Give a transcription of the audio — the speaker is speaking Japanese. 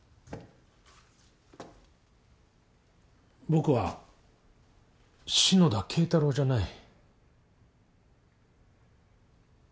僕は篠田敬太郎じゃない。